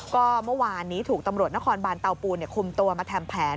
ก็เมื่อวานนี้ถูกตำรวจนครบานเตาปูนคุมตัวมาทำแผน